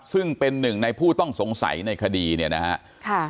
ซึ่งเป็นหนึ่งในผู้ต้องสงสัยในคดีเนี่ยนะฮะ